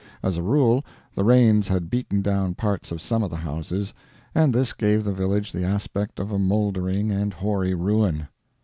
As a rule, the rains had beaten down parts of some of the houses, and this gave the village the aspect of a mouldering and hoary ruin.